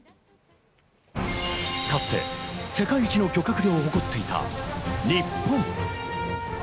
かつて世界一の漁獲量を誇っていた日本。